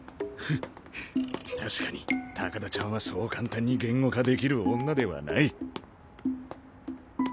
ふっ確かに高田ちゃんはそう簡単に言語化できる女ではない。